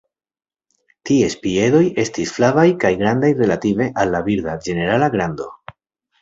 Ties piedoj estis flavaj kaj grandaj relative al la birda ĝenerala grando.